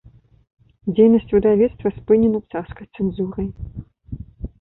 Дзейнасць выдавецтва спынена царскай цэнзурай.